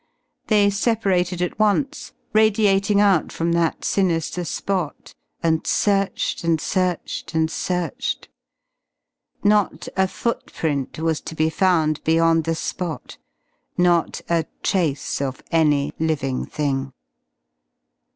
They separated at once, radiating out from that sinister spot and searched and searched and searched. Not a footprint was to be found beyond the spot, not a trace of any living thing.